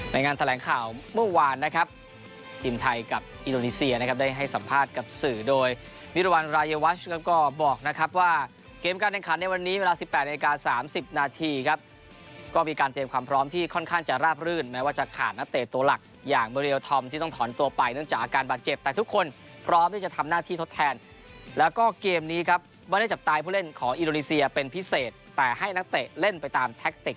ในงานแถลงข่าวเมื่อวานนะครับทีมไทยกับอิโรนิเซียนะครับได้ให้สัมภาษณ์กับสื่อโดยวิรวรรณรายวัชแล้วก็บอกนะครับว่าเกมการแข่งขันในวันนี้เวลา๑๘นาฬิกา๓๐นาทีครับก็มีการเตรียมความพร้อมที่ค่อนข้างจะราบรื่นแม้ว่าจะขาดนักเตะตัวหลักอย่างเมอร์เรียลทอมที่ต้องถอนตัวไปเนื่องจาก